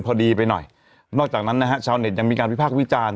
พอดีไปหน่อยนอกจากนั้นนะฮะชาวเน็ตยังมีการวิพากษ์วิจารณ์